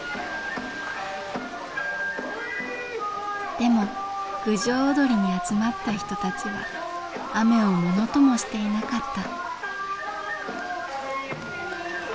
でも郡上おどりに集まった人たちは雨をものともしていなかった。